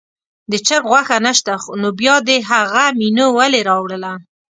د چرګ غوښه نه شته نو بیا دې هغه مینو ولې راوړله.